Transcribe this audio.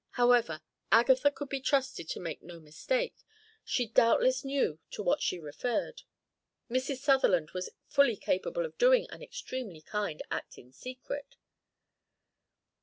However, Agatha could be trusted to make no mistake. She doubtless knew to what she referred. Mrs. Sutherland was fully capable of doing an extremely kind act in secret."